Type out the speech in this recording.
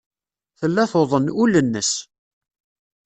Tella tuḍen ul-nnes.